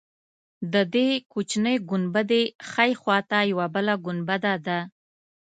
د دې کوچنۍ ګنبدې ښی خوا ته یوه بله ګنبده ده.